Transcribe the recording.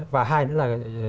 và hai nữa là